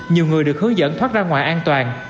nhiều người được hướng dẫn thoát ra ngoài an toàn